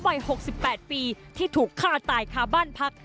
วัย๖๘ปีที่ถูกฆ่าตายคาบ้านพัก